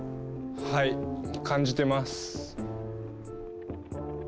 はい感じてます。